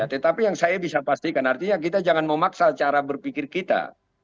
tetapi yang saya bisa pastikan artinya kita jangan memaksa cara berpikir kita